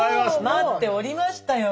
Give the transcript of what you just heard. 待っておりましたよ